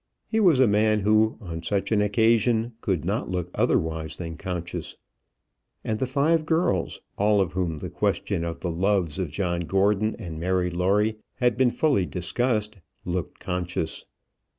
He was a man who, on such an occasion, could not look otherwise than conscious. And the five girls, with all of whom the question of the loves of John Gordon and Mary Lawrie had been fully discussed, looked conscious.